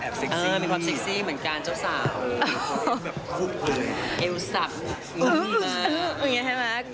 มีความเซ็กซี่เหมือนกันเจ้าสาว